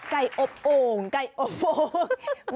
อบโอ่งไก่อบโอ่ง